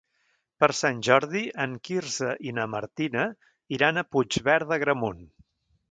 Per Sant Jordi en Quirze i na Martina iran a Puigverd d'Agramunt.